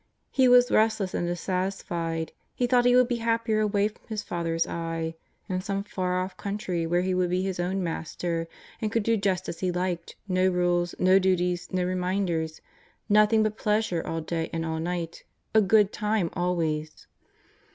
He was restless and dissatisfied. He thought he would be happier away from his father^s eye, in some far off country where he would be his own master and could do just as he liked — no rules, no duties, no reminders, nothing but pleasure all day and all night, a good time always.